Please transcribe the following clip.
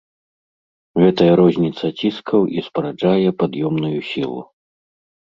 Гэтая розніца ціскаў і спараджае пад'ёмную сілу.